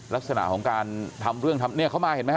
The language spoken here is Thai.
ลักษณะของการทำเรื่องทำเนี่ยเขามาเห็นไหมฮ